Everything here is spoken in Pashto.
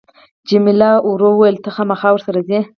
جميله ورو وویل ته خامخا ورسره ځې.